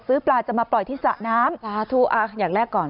ซื้อปลาจะมาปล่อยที่สระน้ำ